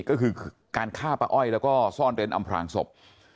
ก็คือการฆ่าป้าอ้อยแล้วก็ซ่อนเร้นอำพลางศพ